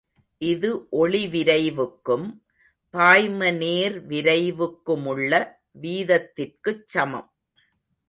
இது ஒளி விரைவுக்கும் பாய்ம நேர் விரைவுக்கு முள்ள வீதத்திற்குச் சமம்.